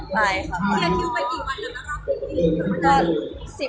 เทียร์คิ้วไปกี่วันแล้วก็รอบที่นี่